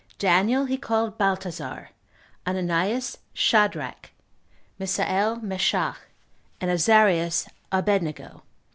Daniel he called Baltasar; Ananias, Shadrach; Misael, Meshach; and Azarias, Abednego.